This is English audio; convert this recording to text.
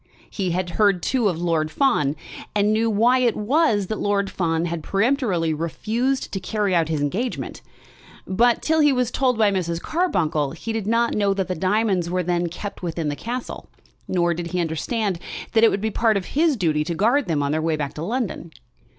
He had heard too of Lord Fawn, and knew why it was that Lord Fawn had peremptorily refused to carry out his engagement. But, till he was told by Mrs. Carbuncle, he did not know that the diamonds were then kept within the castle, nor did he understand that it would be part of his duty to guard them on their way back to London.